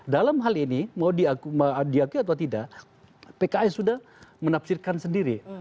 dalam hal ini mau diakui atau tidak pks sudah menafsirkan sendiri